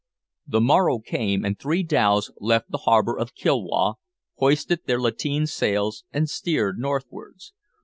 The morrow came, and three dhows left the harbour of Kilwa, hoisted their lateen sails, and steered northwards.